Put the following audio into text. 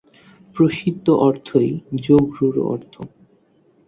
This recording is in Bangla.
প্রসিদ্ধ অর্থই যোগরূঢ় অর্থ।